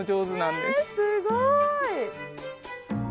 えすごい！